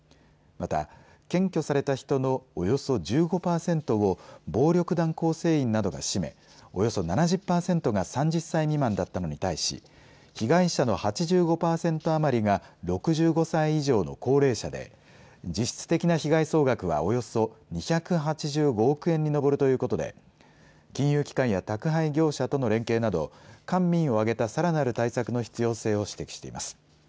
また、検挙された人のおよそ１５％を暴力団構成員などが占め、およそ７０％が３０歳未満だったのに対し、被害者の８５％余りが６５歳以上の高齢者で実質的な被害総額はおよそ２８５億円に上るということで金融機関や宅配業者との連携など官民を挙げたさらなる対策の必要性を指摘しています。